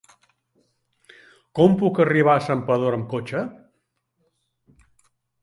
Com puc arribar a Santpedor amb cotxe?